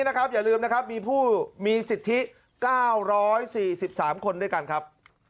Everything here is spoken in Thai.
อย่าลืมนะครับมีผู้มีสิทธิ๙๔๓คนด้วยกันครับ